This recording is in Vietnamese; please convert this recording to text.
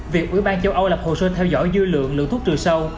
việc ủy ban châu âu lập hồ sơ theo dõi dư lượng lượng thuốc trừ sâu